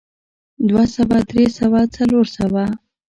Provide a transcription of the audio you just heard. دوه سوه درې سوه څلور سوه